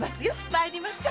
参りましょ。